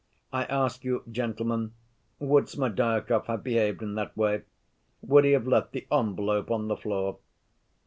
I ask you, gentlemen, would Smerdyakov have behaved in that way? Would he have left the envelope on the floor?